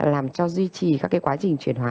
làm cho duy trì các cái quá trình chuyển hóa